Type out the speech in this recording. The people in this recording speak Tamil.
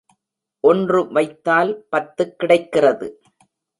ஒன்று வைத்தால் பத்துக் கிடைக்கிறது.